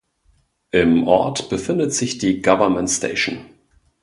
Im Ort befindet sich die "Government Station".